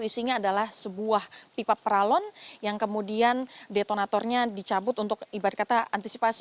isinya adalah sebuah pipa peralon yang kemudian detonatornya dicabut untuk ibarat kata antisipasi